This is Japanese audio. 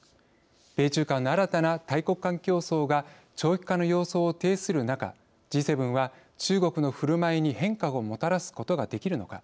米中間の新たな大国間競争が長期化の様相を呈する中Ｇ７は中国のふるまいに変化をもたらすことができるのか。